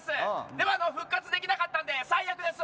でも、復活できなかったんで最悪です。